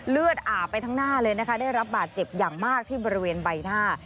เลือดอาบไปทั้งหน้าเลยนะคะได้รับบาดเจ็บอย่างมากที่บริเวณใบหน้า